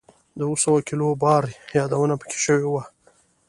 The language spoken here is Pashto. د اووه سوه کیلو بار یادونه په کې شوې وه.